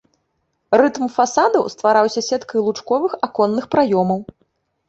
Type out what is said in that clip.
Рытм фасадаў ствараўся сеткай лучковых аконных праёмаў.